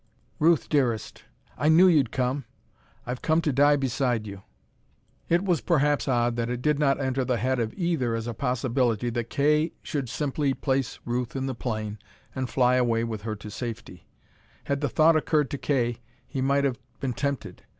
"Ruth, dearest!" "I knew you'd come." "I've come to die beside you!" It was perhaps odd that it did not enter the head of either as a possibility that Kay should simply place Ruth in the plane and fly away with here to safety. Had the thought occurred to Kay, he might have been tempted.